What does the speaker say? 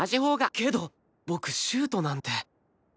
けど僕シュートなんて。